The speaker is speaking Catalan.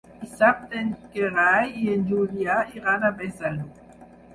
Dissabte en Gerai i en Julià iran a Besalú.